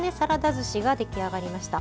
ずしが出来上がりました。